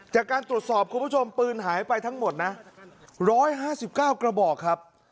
จากการตรวจสอบคุณผู้ชมปืนหายไปทั้งหมดน่ะร้อยห้าสิบเก้ากระบอกครับ